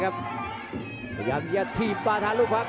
พยายามอย่าถีบประธารุภักดิ์